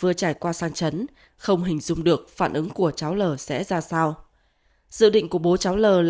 vừa trải qua san chấn không hình dung được phản ứng của cháu l sẽ ra sao dự định của bố cháu l là